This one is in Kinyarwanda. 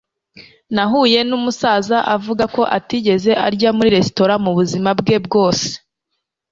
nahuye numusaza uvuga ko atigeze arya muri resitora mubuzima bwe bwose